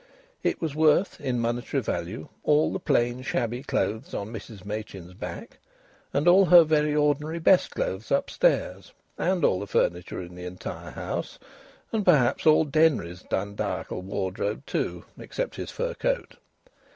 It was worth in monetary value all the plain, shabby clothes on Mrs Machin's back, and all her very ordinary best clothes upstairs, and all the furniture in the entire house, and perhaps all Denry's dandiacal wardrobe too, except his fur coat.